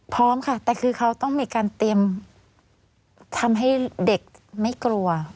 พร้อมค่ะแต่คือเขาต้องมีการเตรียมทำให้เด็กไม่กลัว